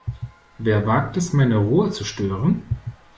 Wer wagt es, meine Ruhe zu stören?